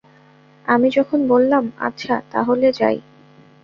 আমি যখন বললাম, আচ্ছা তা হলে যাই?